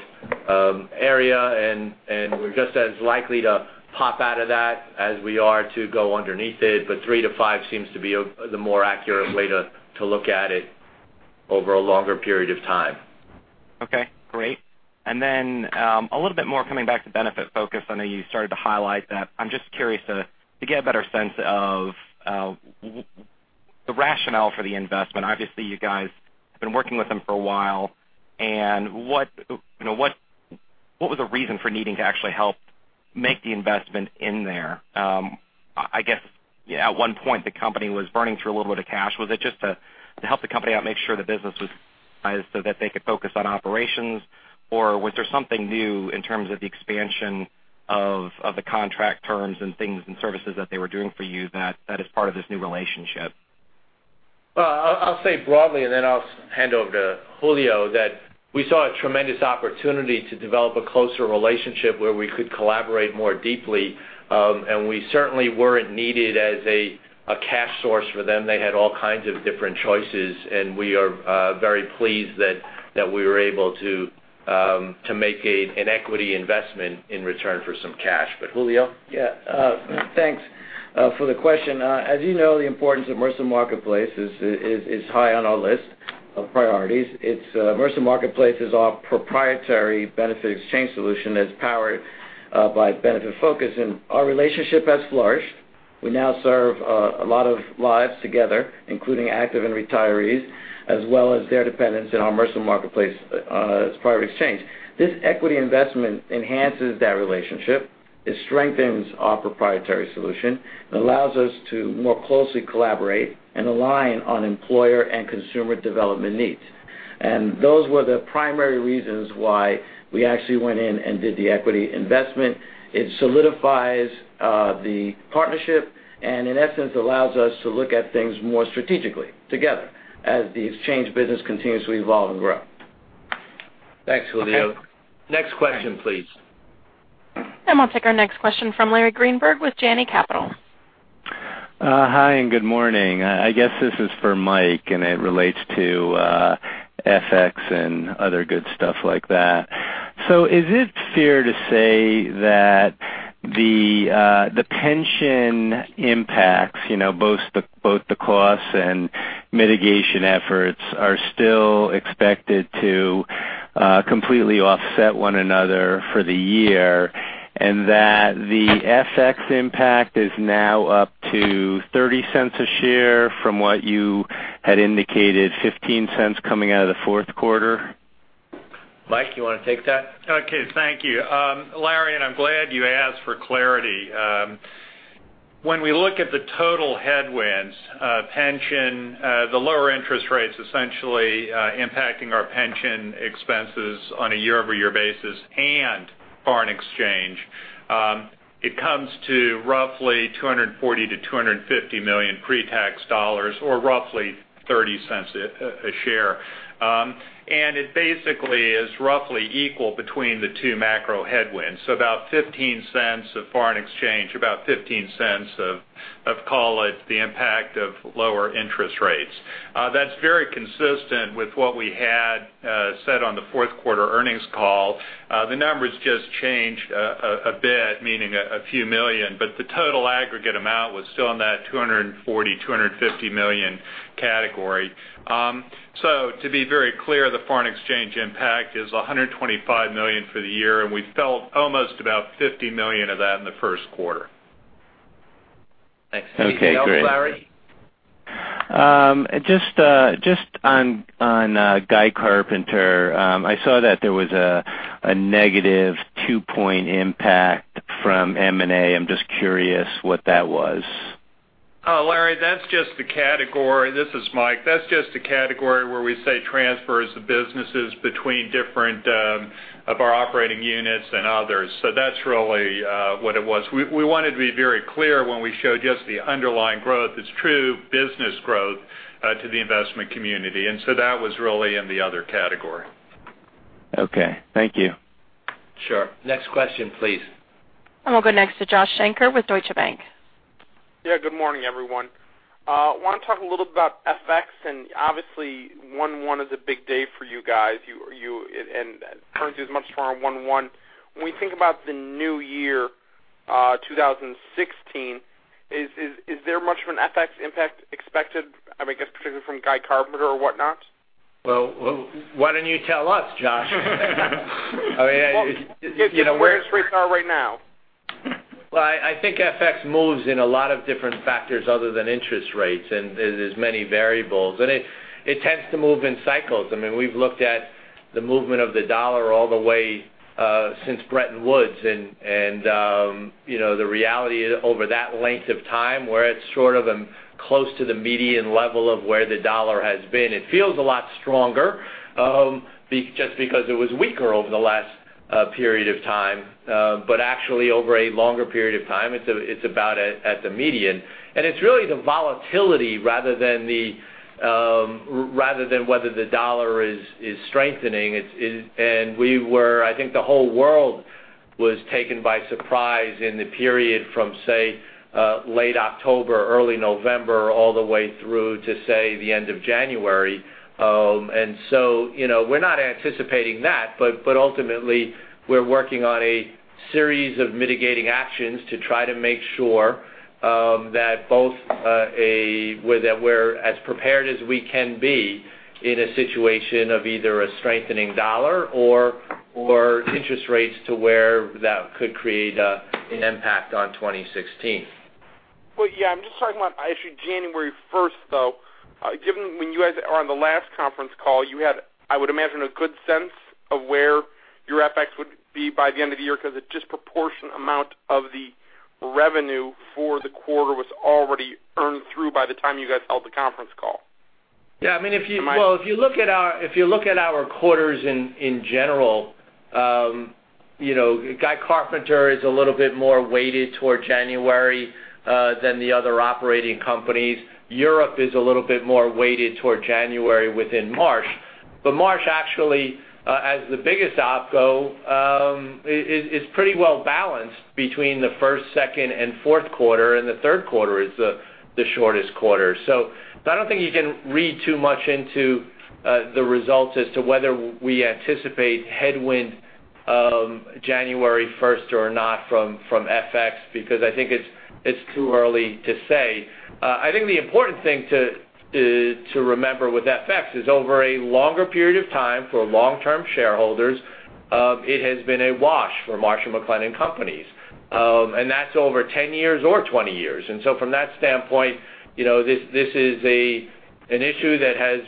area, and we're just as likely to pop out of that as we are to go underneath it. 3%-5% seems to be the more accurate way to look at it over a longer period of time. Okay, great. A little bit more coming back to Benefitfocus. I know you started to highlight that. I'm just curious to get a better sense of the rationale for the investment. Obviously, you guys have been working with them for a while. What was the reason for needing to actually help make the investment in there? I guess, at one point, the company was burning through a little bit of cash. Was it just to help the company out and make sure the business was so that they could focus on operations, or was there something new in terms of the expansion of the contract terms and things and services that they were doing for you that is part of this new relationship? Well, I'll say broadly, I'll hand over to Julio, that we saw a tremendous opportunity to develop a closer relationship where we could collaborate more deeply. We certainly weren't needed as a cash source for them. They had all kinds of different choices. We are very pleased that we were able to make an equity investment in return for some cash. Julio? Yeah. Thanks for the question. As you know, the importance of Mercer Marketplace is high on our list of priorities. Mercer Marketplace is our proprietary benefits exchange solution that is powered by Benefitfocus, our relationship has flourished. We now serve a lot of lives together, including active and retirees, as well as their dependents in our Mercer Marketplace private exchange. This equity investment enhances that relationship. It strengthens our proprietary solution and allows us to more closely collaborate and align on employer and consumer development needs. Those were the primary reasons why we actually went in and did the equity investment. It solidifies the partnership, in essence, allows us to look at things more strategically together as the exchange business continues to evolve and grow. Thanks, Julio. Next question, please. We'll take our next question from Larry Greenberg with Janney Capital. Hi, and good morning. I guess this is for Mike, and it relates to FX and other good stuff like that. Is it fair to say that the pension impacts, both the cost and mitigation efforts, are still expected to completely offset one another for the year, and that the FX impact is now up to $0.30 a share from what you had indicated $0.15 coming out of the fourth quarter? Mike, you want to take that? Okay. Thank you. Larry, and I'm glad you asked for clarity. When we look at the total headwinds, the lower interest rates essentially impacting our pension expenses on a year-over-year basis and foreign exchange, it comes to roughly $240 million-$250 million pre-tax, or roughly $0.30 a share. It basically is roughly equal between the two macro headwinds. About $0.15 of foreign exchange, about $0.15 of, call it, the impact of lower interest rates. That's very consistent with what we had said on the fourth quarter earnings call. The numbers just changed a bit, meaning a few million, but the total aggregate amount was still in that $240 million, $250 million category. To be very clear, the foreign exchange impact is $125 million for the year, and we felt almost about $50 million of that in the first quarter. Thanks. Anything else, Larry? Okay, great. Just on Guy Carpenter, I saw that there was a negative two-point impact from M&A. I am just curious what that was. Larry, this is Mike. That is just the category where we say transfers of businesses between different of our operating units and others. That is really what it was. We wanted to be very clear when we showed just the underlying growth, its true business growth to the investment community. That was really in the other category. Okay. Thank you. Sure. Next question, please. We'll go next to Josh Shanker with Deutsche Bank. Yeah. Good morning, everyone. I want to talk a little bit about FX, and obviously, 1/1 is a big day for you guys, and currency is much stronger on 1/1. When we think about the new year, 2016, is there much of an FX impact expected, I guess, particularly from Guy Carpenter or whatnot? Well, why don't you tell us, Josh? Well, where interest rates are right now. Well, I think FX moves in a lot of different factors other than interest rates, and there's many variables. It tends to move in cycles. We've looked at the movement of the dollar all the way since Bretton Woods, and the reality over that length of time, where it's sort of close to the median level of where the dollar has been. It feels a lot stronger just because it was weaker over the last a period of time, but actually over a longer period of time, it's about at the median. It's really the volatility rather than whether the dollar is strengthening. I think the whole world was taken by surprise in the period from, say, late October, early November, all the way through to, say, the end of January. We're not anticipating that, but ultimately, we're working on a series of mitigating actions to try to make sure that we're as prepared as we can be in a situation of either a strengthening dollar or interest rates to where that could create an impact on 2016. Well, yeah, I'm just talking about actually January 1st, though. Given when you guys are on the last conference call, you had, I would imagine, a good sense of where your FX would be by the end of the year because a disproportionate amount of the revenue for the quarter was already earned through by the time you guys held the conference call. Yeah, if you look at our quarters in general, Guy Carpenter is a little bit more weighted toward January than the other operating companies. Europe is a little bit more weighted toward January within Marsh. Marsh actually, as the biggest opco, is pretty well-balanced between the first, second, and fourth quarter, and the third quarter is the shortest quarter. I don't think you can read too much into the results as to whether we anticipate headwind of January 1st or not from FX, because I think it's too early to say. I think the important thing to remember with FX is over a longer period of time for long-term shareholders, it has been a wash for Marsh & McLennan Companies, and that's over 10 years or 20 years. From that standpoint, this is an issue that has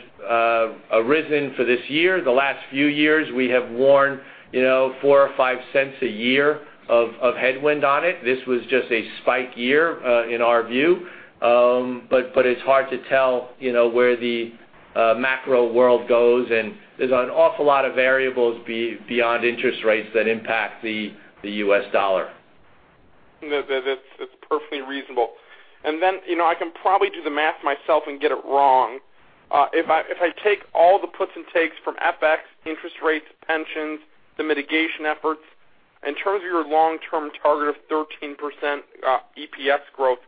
arisen for this year. The last few years, we have worn $0.04 or $0.05 a year of headwind on it. This was just a spike year in our view. It's hard to tell where the macro world goes, and there's an awful lot of variables beyond interest rates that impact the US dollar. That's perfectly reasonable. I can probably do the math myself and get it wrong. If I take all the puts and takes from FX, interest rates, pensions, the mitigation efforts, in terms of your long-term target of 13% EPS growth,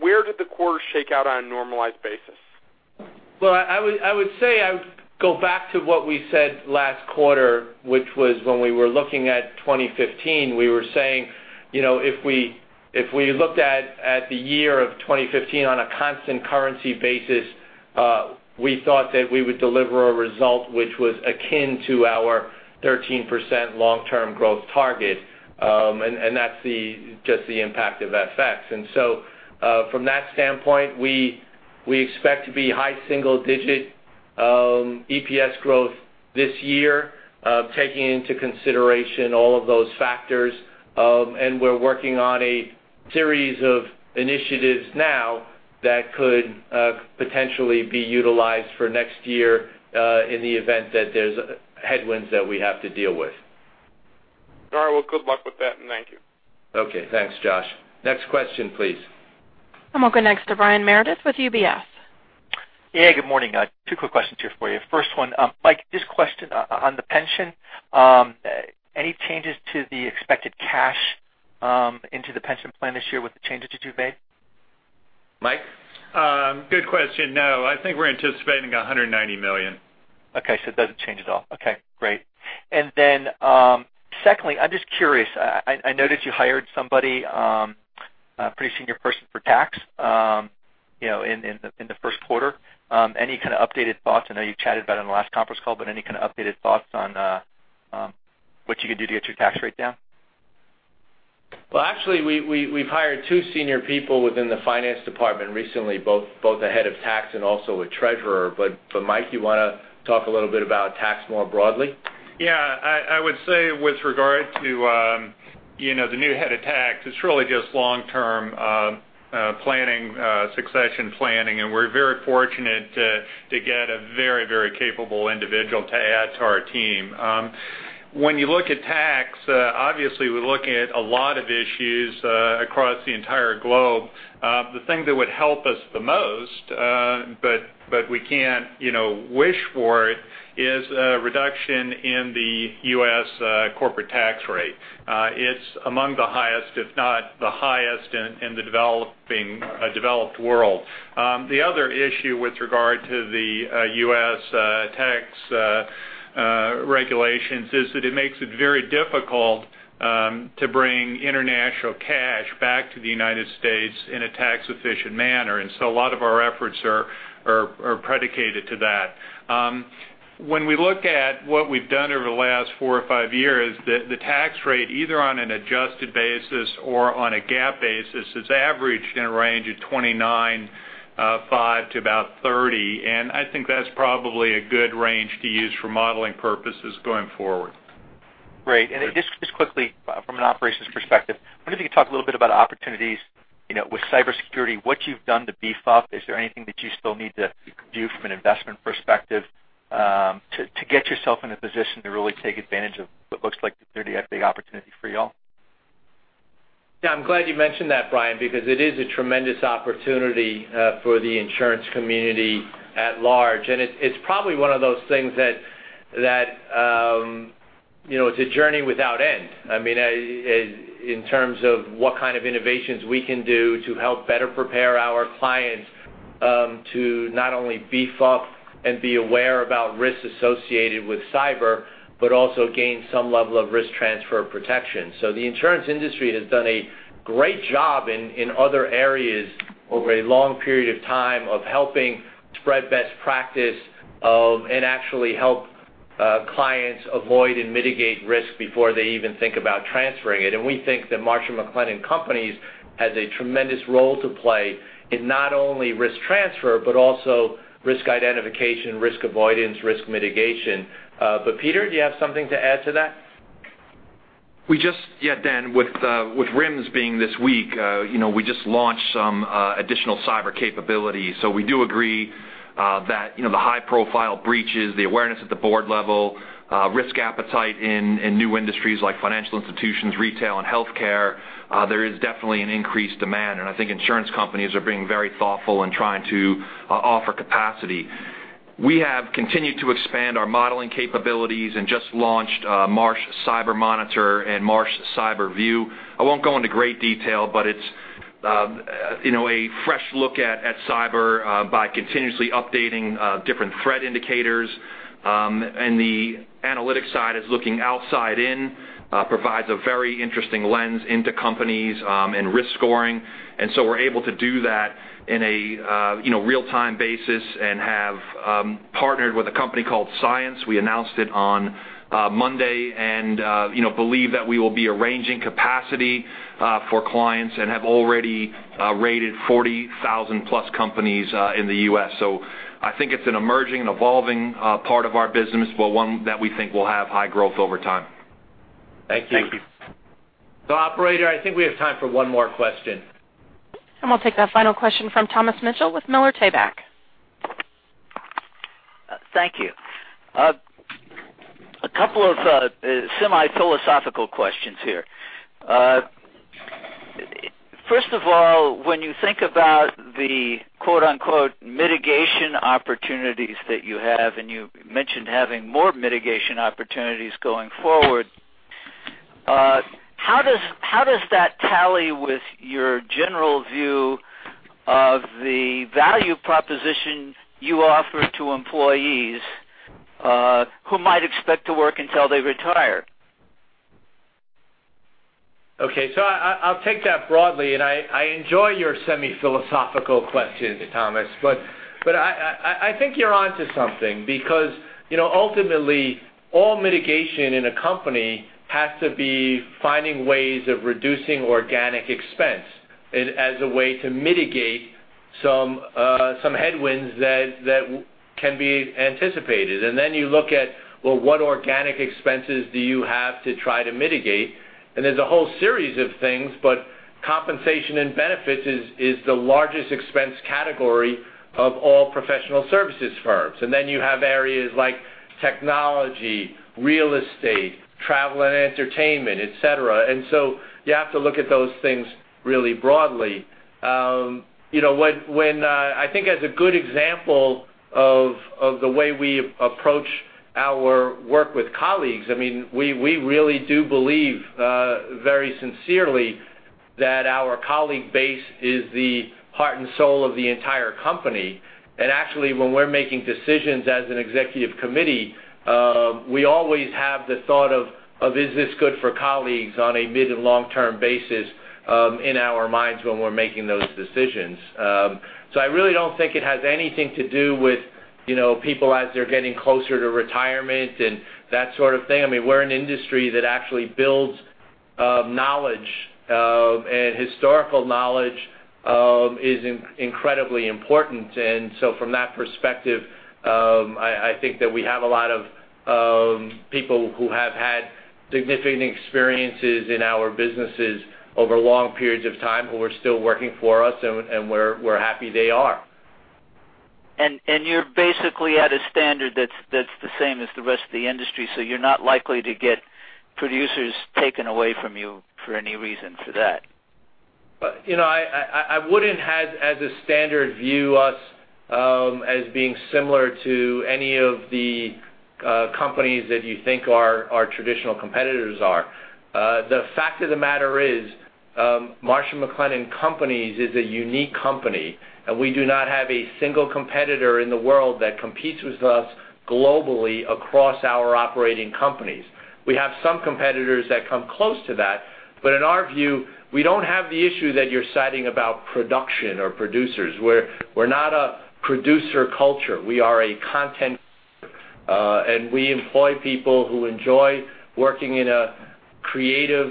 where did the quarter shake out on a normalized basis? Well, I would say I would go back to what we said last quarter, which was when we were looking at 2015, we were saying, if we looked at the year of 2015 on a constant currency basis, we thought that we would deliver a result which was akin to our 13% long-term growth target, and that's just the impact of FX. From that standpoint, we expect to be high single-digit EPS growth this year, taking into consideration all of those factors, and we're working on a series of initiatives now that could potentially be utilized for next year in the event that there's headwinds that we have to deal with. All right, well, good luck with that, and thank you. Okay. Thanks, Josh. Next question, please. We'll go next to Brian Meredith with UBS. Yeah, good morning. Two quick questions here for you. First one, Mike, this question on the pension. Any changes to the expected cash into the pension plan this year with the changes that you've made? Mike? Good question. No, I think we're anticipating $190 million. Okay. It doesn't change at all. Okay, great. Secondly, I'm just curious, I noticed you hired somebody, a pretty senior person for tax in the first quarter. Any kind of updated thoughts? I know you chatted about it on the last conference call, any kind of updated thoughts on what you could do to get your tax rate down? Well, actually, we've hired two senior people within the finance department recently, both the head of tax and also a treasurer. Mike, you want to talk a little bit about tax more broadly? Yeah. I would say with regard to the new head of tax, it's really just long-term succession planning, we're very fortunate to get a very, very capable individual to add to our team. When you look at tax, obviously, we're looking at a lot of issues across the entire globe. The thing that would help us the most, we can't wish for it, is a reduction in the U.S. corporate tax rate. It's among the highest, if not the highest in the developed world. The other issue with regard to the U.S. tax regulations is that it makes it very difficult to bring international cash back to the United States in a tax-efficient manner, a lot of our efforts are predicated to that. When we look at what we've done over the last four or five years, the tax rate, either on an adjusted basis or on a GAAP basis, has averaged in a range of 29.5 to about 30. I think that's probably a good range to use for modeling purposes going forward. Great. Just quickly, from an operations perspective, I wonder if you could talk a little bit about opportunities with cybersecurity, what you've done to beef up. Is there anything that you still need to do from an investment perspective, to get yourself in a position to really take advantage of what looks like a pretty big opportunity for you all? Yeah, I'm glad you mentioned that, Brian, because it is a tremendous opportunity for the insurance community at large, and it's probably one of those things that it's a journey without end. In terms of what kind of innovations we can do to help better prepare our clients to not only beef up and be aware about risks associated with cyber, but also gain some level of risk transfer protection. The insurance industry has done a great job in other areas over a long period of time of helping spread best practice, and actually help clients avoid and mitigate risk before they even think about transferring it. We think that Marsh & McLennan Companies has a tremendous role to play in not only risk transfer, but also risk identification, risk avoidance, risk mitigation. Peter, do you have something to add to that? Yeah, Dan, with RIMS being this week, we just launched some additional cyber capability. We do agree that the high profile breaches, the awareness at the board level, risk appetite in new industries like financial institutions, retail, and healthcare, there is definitely an increased demand. I think insurance companies are being very thoughtful in trying to offer capacity. We have continued to expand our modeling capabilities and just launched Marsh Cyber Monitor and Marsh Cyber View. I won't go into great detail, but it's a fresh look at cyber by continuously updating different threat indicators. The analytics side is looking outside in, provides a very interesting lens into companies, and risk scoring. We're able to do that in a real-time basis and have partnered with a company called Cyence. We announced it on Monday believe that we will be arranging capacity for clients and have already rated 40,000+ companies in the U.S. I think it's an emerging and evolving part of our business, but one that we think will have high growth over time. Thank you. Thank you. Operator, I think we have time for one more question. We'll take that final question from Thomas Mitchell with Miller Tabak. Thank you. A couple of semi-philosophical questions here. First of all, when you think about the "mitigation opportunities" that you have, and you mentioned having more mitigation opportunities going forward, how does that tally with your general view of the value proposition you offer to employees who might expect to work until they retire? Okay. I'll take that broadly, and I enjoy your semi-philosophical question, Thomas, but I think you're onto something because ultimately, all mitigation in a company has to be finding ways of reducing organic expense as a way to mitigate some headwinds that can be anticipated. Then you look at, well, what organic expenses do you have to try to mitigate? There's a whole series of things, but compensation and benefits is the largest expense category of all professional services firms. Then you have areas like technology, real estate, travel and entertainment, et cetera. You have to look at those things really broadly. I think as a good example of the way we approach our work with colleagues, we really do believe very sincerely that our colleague base is the heart and soul of the entire company. Actually, when we're making decisions as an executive committee, we always have the thought of, is this good for colleagues on a mid and long-term basis, in our minds when we're making those decisions. I really don't think it has anything to do with people as they're getting closer to retirement and that sort of thing. We're an industry that actually builds knowledge, and historical knowledge is incredibly important. From that perspective, I think that we have a lot of people who have had significant experiences in our businesses over long periods of time who are still working for us, and we're happy they are. You're basically at a standard that's the same as the rest of the industry, so you're not likely to get producers taken away from you for any reason for that. I wouldn't, as a standard, view us as being similar to any of the companies that you think our traditional competitors are. The fact of the matter is, Marsh & McLennan Companies is a unique company, and we do not have a single competitor in the world that competes with us globally across our operating companies. We have some competitors that come close to that, but in our view, we don't have the issue that you're citing about production or producers. We're not a producer culture. We are a content, and we employ people who enjoy working in a creative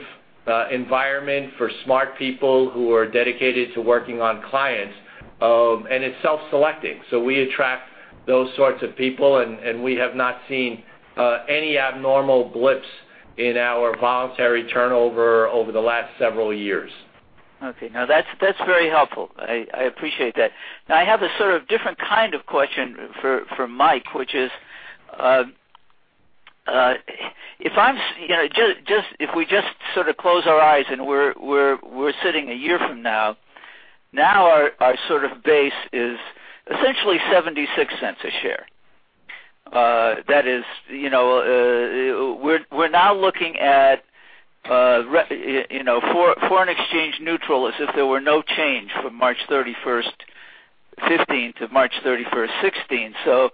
environment for smart people who are dedicated to working on clients. It's self-selecting. We attract those sorts of people, and we have not seen any abnormal blips in our voluntary turnover over the last several years. Okay. That's very helpful. I appreciate that. I have a sort of different kind of question for Mike, which is, if we just sort of close our eyes and we're sitting a year from now, our sort of base is essentially $0.76 a share. We're now looking at foreign exchange neutral as if there were no change from March 31st, 2015 to March 31st, 2016.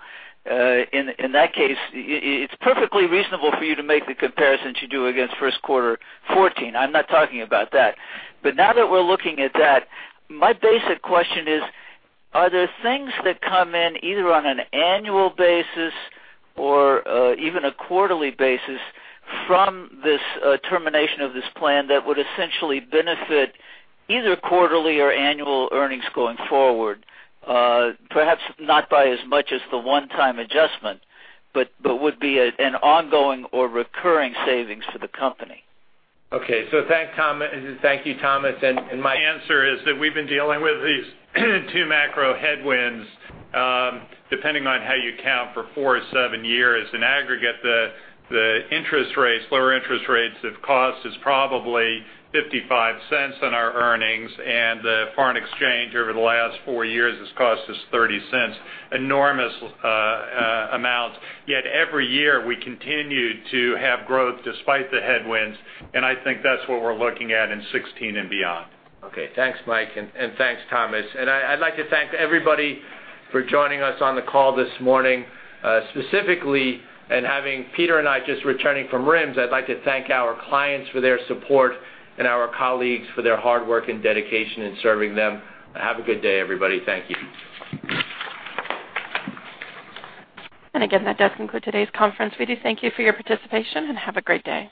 In that case, it's perfectly reasonable for you to make the comparisons you do against first quarter 2014. I'm not talking about that. Now that we're looking at that, my basic question is, are there things that come in either on an annual basis or even a quarterly basis from this termination of this plan that would essentially benefit either quarterly or annual earnings going forward? Perhaps not by as much as the one-time adjustment, but would be an ongoing or recurring savings to the company. Okay. Thank you, Thomas. My answer is that we've been dealing with these two macro headwinds, depending on how you count, for four or seven years. In aggregate, the lower interest rates have cost us probably $0.55 on our earnings, and the foreign exchange over the last four years has cost us $0.30. Enormous amounts. Yet, every year, we continue to have growth despite the headwinds, I think that's what we're looking at in 2016 and beyond. Okay. Thanks, Mike, and thanks, Thomas. I'd like to thank everybody for joining us on the call this morning, specifically, and having Peter and I just returning from RIMS, I'd like to thank our clients for their support and our colleagues for their hard work and dedication in serving them. Have a good day, everybody. Thank you. Again, that does conclude today's conference. We do thank you for your participation, and have a great day.